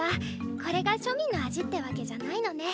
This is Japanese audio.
これが庶民の味ってわけじゃないのね。